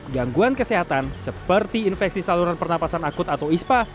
gangguan kesehatan seperti infeksi saluran pernapasan akut atau ispa